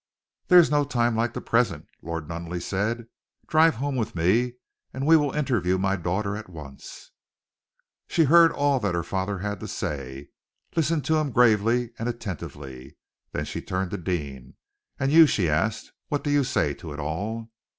"There is no time like the present," Lord Nunneley said. "Drive home with me, and we will interview my daughter at once." She heard all that her father had to say, listened to him gravely and attentively. Then she turned to Deane. "And you?" she asked. "What do you say to it all?"